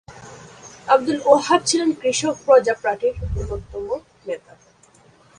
আবদুল ওহাব ছিলেন কৃষক প্রজা পার্টির অন্যতম নেতা।